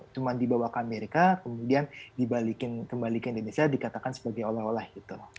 cuma dibawa ke amerika kemudian dibalikin kembali ke indonesia dikatakan sebagai oleh oleh gitu